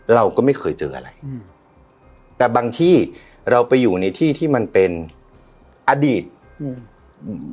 เราก็ไม่เคยเจออะไรอืมแต่บางที่เราไปอยู่ในที่ที่มันเป็นอดีตอืม